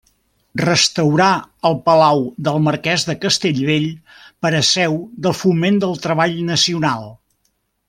Restaurà el palau del marquès de Castellvell per a seu de Foment del Treball Nacional.